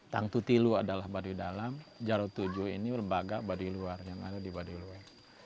tangtu tilu adalah baduidalam jarut tujuh ini lembaga baduiluar yang ada di baduiluar